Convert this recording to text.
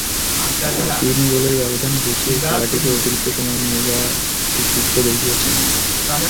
তিন গোলের ব্যবধান ঘুচিয়ে খেলাটিকে অতিরিক্ত সময়ে নিয়ে যাওয়ার কৃতিত্বও দেখিয়েছে।